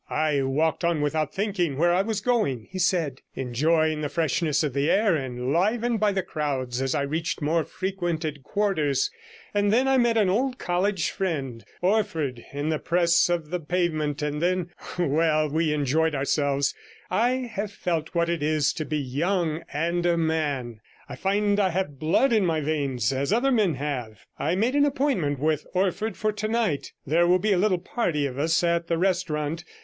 'I walked on without thinking where I was going,' he said, 'enjoying the freshness of the air, and livened by the crowds as I reached more frequented quarters. And then I met an old college friend, Orford, in the press of the pavement, and then — well, we enjoyed ourselves, I have felt what it is to be young and a man; I find I have blood in my veins, as other men have. I 108 made an appointment with Orford for tonight; there will be a little party of us at the restaurant.